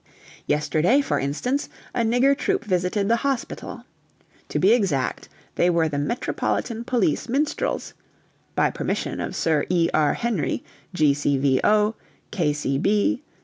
Yesterday, for instance, a nigger troupe visited the hospital. To be exact, they were the Metropolitan Police Minstrels ("By Permission of Sir E.R. Henry, G.C.V.O.